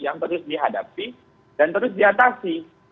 yang terus dihadapi dan terus diatasi